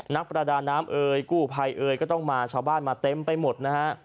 นักประดาน้ำเอ่ยกู้ภัยเอ่ยก็ต้องมาชาวบ้านมาเต็มไปหมดนะฮะ